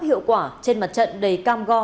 hiệu quả trên mặt trận đầy cam go